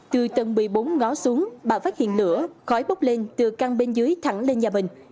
từ tầng một mươi bốn ngó xuống bà phát hiện lửa khói bốc lên từ căn bên dưới thẳng lên nhà bình